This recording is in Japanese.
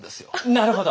なるほど。